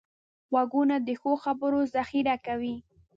غوږونه د ښو خبرو ذخیره کوي